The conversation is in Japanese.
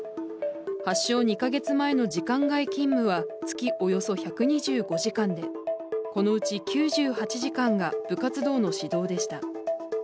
発症２か月前の時間外勤務は月およそ１２５時間で、このうち９８時間が部活動の指導でした。